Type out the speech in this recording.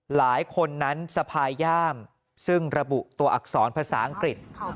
หลายคนนั้นสะพายย่ามซึ่งระบุตัวอักษรภาษาอังกฤษ